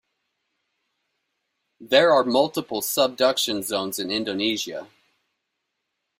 There are multiple subduction zones in Indonesia.